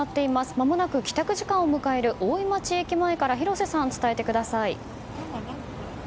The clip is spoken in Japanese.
まもなく帰宅時間を迎える大井町駅から広瀬さん、伝えてください。